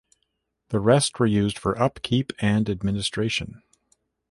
The rest were used for upkeep and administration.